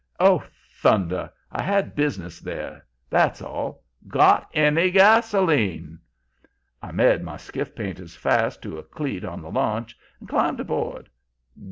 "'Oh, thunder! I had business there, that's all. GOT ANY GASOLINE?' "I made my skiff's painter fast to a cleat on the launch and climbed aboard.